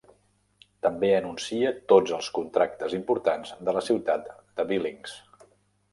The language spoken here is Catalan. També anuncia tots els contractes importants de la ciutat de Billings.